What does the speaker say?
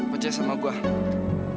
percaya sama gue